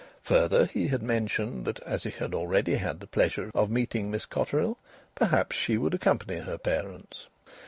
Further, he had mentioned that, as be had already had the pleasure of meeting Miss Cotterill, perhaps she would accompany her parents.